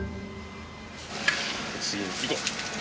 次にいこう。